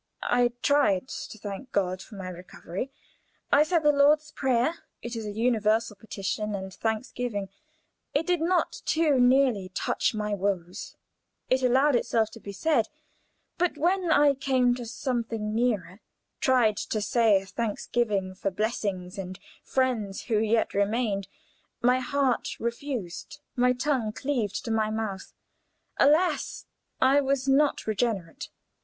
I tried to thank God for my recovery. I said the Lord's Prayer; it is a universal petition and thanksgiving; it did not too nearly touch my woes; it allowed itself to be said, but when I came to something nearer, tried to say a thanksgiving for blessings and friends who yet remained, my heart refused, my tongue cleaved to my mouth. Alas! I was not regenerate.